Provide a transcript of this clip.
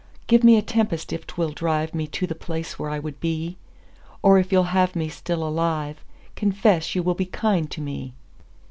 Give me a tempest if 'twill drive Me to the place where I would be; Or if you'll have me still alive, Confess you will be kind to me.